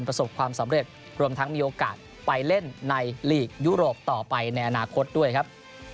ประสบความสำเร็จรวมทั้งมีโอกาสไปเล่นในลีกยุโรปต่อไปในอนาคตด้วยครับ